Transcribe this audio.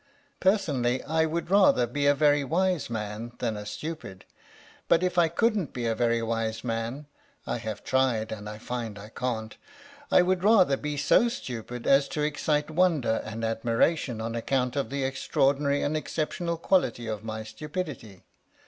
Personally I would rather be a very wise man than a stupid, but if I couldn't be a very wise man (I have tried and I find I can't) I would rather be so stupid as to excite wonder and admiration on account of the extra ordinary and exceptional quality of my stupidity.